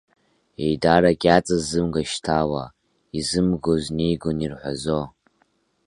Еидарак иаҵаз зымга шьҭала, изымгоз неигон ирҳәазо.